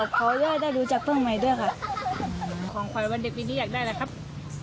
ของขวัญวันเด็กปีนี้อยากได้อะไรครับ